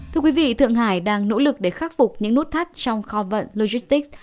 thưa quý vị thượng hải đang nỗ lực để khắc phục những nút thắt trong kho vận logistics